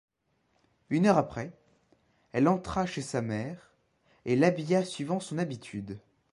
Une heure après, elle entra chez sa mère, et l’habilla suivant son habitude.